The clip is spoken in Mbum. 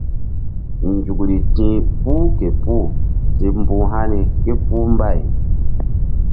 Nzukri ti̧h puh ke puh si mbu̧h hani ké puh mbay.